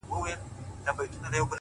هسي پر دښت د ژمي شپه وه ښه دى تېره سوله,